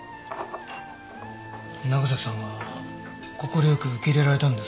長崎さんは快く受け入れられたんですか？